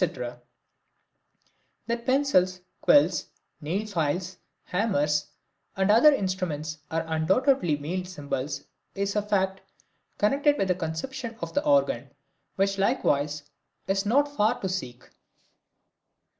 That pencils, quills, nail files, hammers and other instruments are undoubtedly male symbols is a fact connected with a conception of the organ, which likewise is not far to seek.